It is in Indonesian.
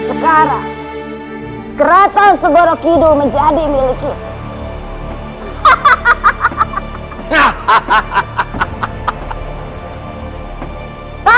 sekarang keratan seborokido menjadi milik kita